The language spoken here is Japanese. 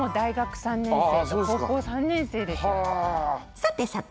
さてさて！